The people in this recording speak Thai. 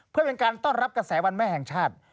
เพื่อเป็นการต้อนรับกระแสวันแม่แห่งชาติ